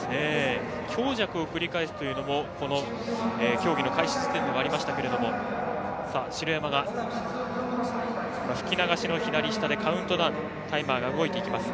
強弱を繰り返すのもこの競技の開始時点でありましたけれども吹き流しの左下でカウントダウンタイマーが動いていきます。